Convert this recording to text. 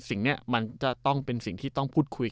สิ่งนี้มันจะต้องเป็นสิ่งที่ต้องพูดคุย